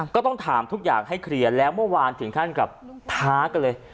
ก็ต้องถามทุกอย่างให้เคลียร์แล้วเมื่อวานถึงขั้นกับท้ากันเลย